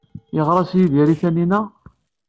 Yeɣra-as Yidir i Taninna?